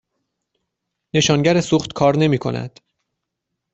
نشانگر سوخت کار نمی کند.